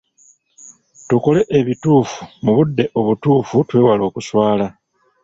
Tukole ebituufu mu budde obutuufu, twewale okuswala.